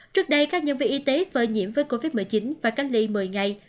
trước đây các nhân viên y tế phơi nhiễm với covid một mươi chín và cách ly một mươi ngày